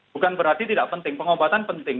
bukan berarti tidak penting pengobatan penting